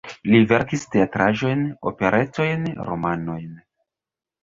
Li verkis teatraĵojn, operetojn, romanojn.